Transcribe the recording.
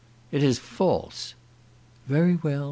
"It is false." "Very well.